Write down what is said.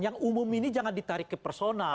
yang umum ini jangan ditarik ke personal